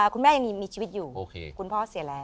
ยังมีชีวิตอยู่คุณพ่อเสียแล้ว